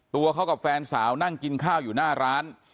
ตัวเขากับแฟนสาวนั่งกินข้าวอยู่หน้าร้าน